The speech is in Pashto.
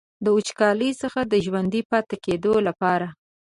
د وچکالۍ څخه د ژوندي پاتې کیدو لپاره.